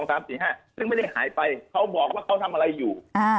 ซึ่งไม่ได้หายไปเขาบอกว่าเขาทำอะไรอยู่